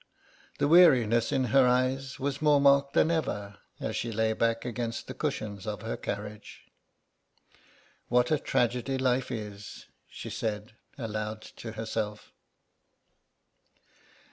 The weariness in her eyes was more marked than ever as she lay back against the cushions of her carriage. "What a tragedy life is," she said, aloud to herself.